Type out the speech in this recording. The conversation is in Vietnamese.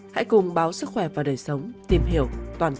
hãy cùng báo sức khỏe và đời sống tìm hiểu toàn bộ